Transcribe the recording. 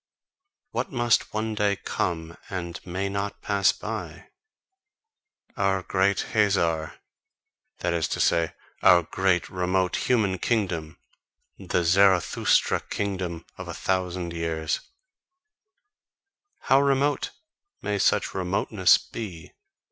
What must one day come and may not pass by? Our great Hazar, that is to say, our great, remote human kingdom, the Zarathustra kingdom of a thousand years How remote may such "remoteness" be?